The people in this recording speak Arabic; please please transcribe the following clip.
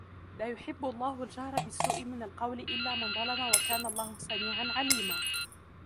لا يحب الله الجهر بالسوء من القول إلا من ظلم وكان الله سميعا عليما